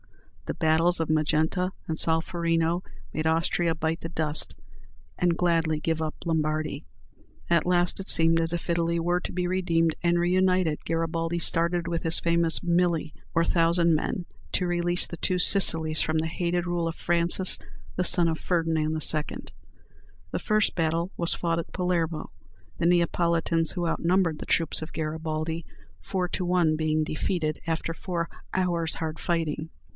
The battles of Magenta and Solferino made Austria bite the dust, and gladly give up Lombardy. At last it seemed as if Italy were to be redeemed and reunited. Garibaldi started with his famous "Mille," or thousand men, to release the two Sicilies from the hated rule of Francis, the son of Ferdinand II. The first battle was fought at Palermo, the Neapolitans who outnumbered the troops of Garibaldi four to one being defeated after four hours' hard fighting.